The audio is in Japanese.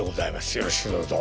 よろしくどうぞ。